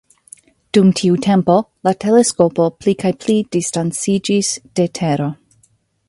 Dum tiu tempo la teleskopo pli kaj pli distanciĝis de Tero.